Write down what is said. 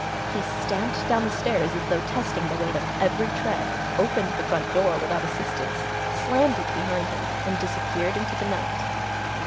He stamped down the stairs as though testing the weight of every tread, opened the front door without assistance, slammed it behind him and disappeared into the night.